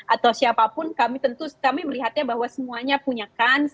atau siapapun kami tentu kami melihatnya bahwa semuanya punya kans